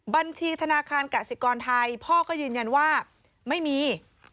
บัญชีธนาคารกสิกรไทยพ่อก็ยืนยันว่าไม่มี